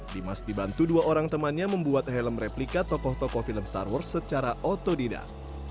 dimas dibantu dua orang temannya membuat helm replika tokoh tokoh film star wars secara otodidak